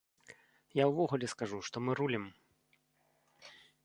Я ўвогуле скажу, што мы рулім.